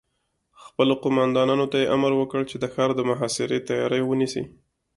خپلو قوماندانانو ته يې امر وکړ چې د ښار د محاصرې تياری ونيسي.